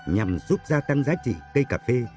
nhằm giúp gia tăng giá trị cây cà phê